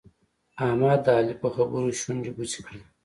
احمد د علي په خبرو شونډې بوڅې کړې.